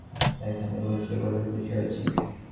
এখানে এসেছো বলে খুশি হয়েছি।